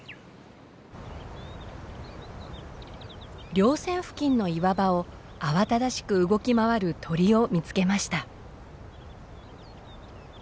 稜線付近の岩場を慌ただしく動き回る鳥を見つけました。